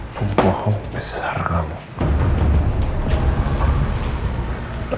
bohong besar kamu